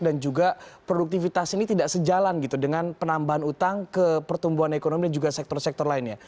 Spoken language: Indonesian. dan juga produktivitas ini tidak sejalan dengan penambahan utang ke pertumbuhan ekonomi dan juga sektor sektor lainnya